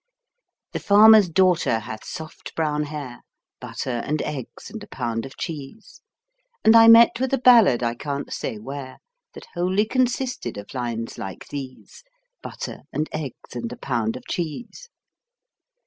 The farmer's daughter hath soft brown hair (Butter and eggs and a pound of cheese) And I met with a ballad I can't say where, That wholly consisted of lines like these, (Butter and eggs and a pound of cheese.)